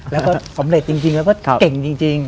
แล้วก็สำเร็จจริงแล้วก็เก่งจริง